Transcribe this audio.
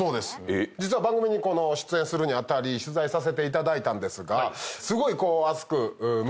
実は番組に出演するに当たり取材させていただいたんですがすごい。